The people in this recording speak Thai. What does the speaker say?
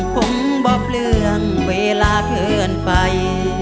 ผมบอกเรื่องเวลาเกินไป